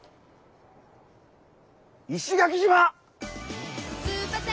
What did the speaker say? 石垣島！